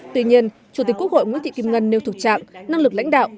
tuy nhiên chủ tịch quốc hội nguyễn thị kim ngân nêu thực trạng năng lực lãnh đạo